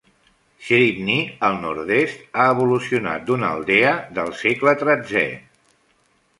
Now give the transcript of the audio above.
Shripney, al nord-est, ha evolucionat d'una aldea del segle XIII.